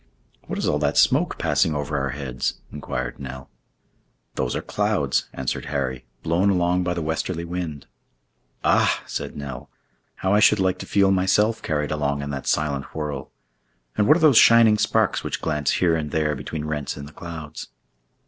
"What is all that smoke passing over our heads?" inquired Nell. "Those are clouds," answered Harry, "blown along by the westerly wind." "Ah!" said Nell, "how I should like to feel myself carried along in that silent whirl! And what are those shining sparks which glance here and there between rents in the clouds?"